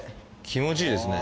気持ちいいですね。